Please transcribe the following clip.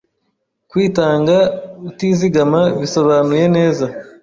Kwitanga utizigama bisobanuye neza